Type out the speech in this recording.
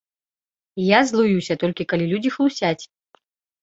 Я злуюся толькі калі людзі хлусяць.